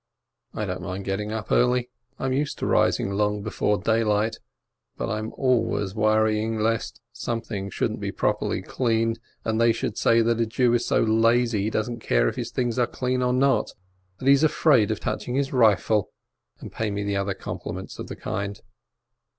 I don't mind the getting up early, I am used to rising long before daylight, but I am always worrying lest something shouldn't be properly cleaned, and they should say that a Jew is so lazy, he doesn't care if his things are clean or not, that he's afraid of touching his rifle, and pay me other compliments of the kind.